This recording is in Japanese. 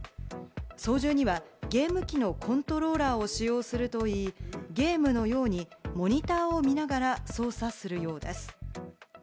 操縦にはゲーム機のコントローラーを使用するといい、ゲームのようにモニターを見ながら操作するようです。